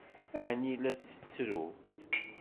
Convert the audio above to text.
Ɛni la tettru?